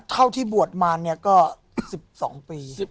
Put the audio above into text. ที่บวชมาเนี่ยก็๑๒ปี